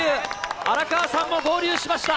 荒川さんも合流しました。